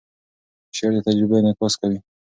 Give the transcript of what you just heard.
شعر د تجربو انعکاس کوي.